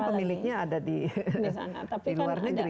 pemiliknya ada di luar negeri